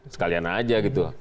sekalian aja gitu